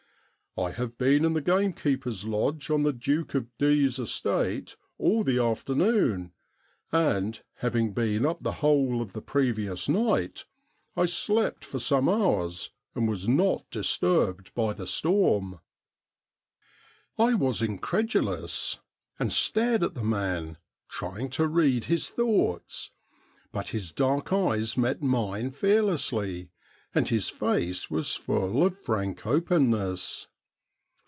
' I have been in the gamekeeper's lodge on the Duke of D 's estate all the afternoon, and, having been up the whole of the previous night, I slept for some hours, and was not disturbed by the storm.' I was incredulous, and stared at the man, trying to read his thoughts ; but his dark eyes met mine fearlessly, and his face was full of frank openness.